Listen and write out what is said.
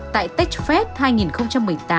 tại techfest hai nghìn một mươi tám